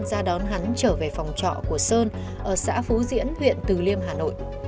ra đón hắn trở về phòng trọ của sơn ở xã phú diễn huyện từ liêm hà nội